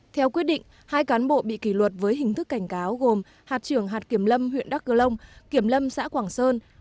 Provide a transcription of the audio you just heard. theo quyết định hai cán bộ bị kỷ luật với hình thức cảnh cáo gồm hạt trưởng hạt kiểm lâm huyện đắk cơ long kiểm lâm xã quảng sơn